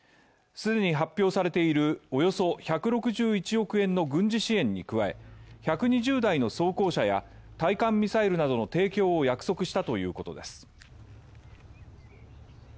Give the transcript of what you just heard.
既に発表されているおよそ１６１億円の軍事支援に加え、１２０台の装甲車や対艦ミサイルなどの提供を約束したということです。